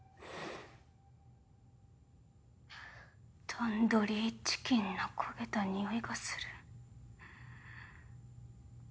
タンドリーチキンの焦げたにおいがする。